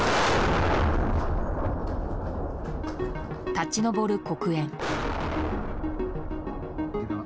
立ち上る黒煙。